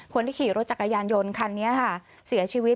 คนที่ขี่รถจักรยานยนต์คันนี้ค่ะเสียชีวิต